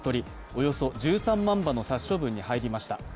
およそ１３万羽の殺処分に入りました。